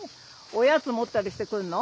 おやつ持ったりして来るの？